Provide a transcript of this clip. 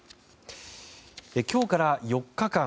今日から４日間